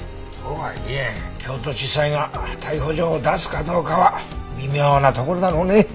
とはいえ京都地裁が逮捕状を出すかどうかは微妙なところだろうね。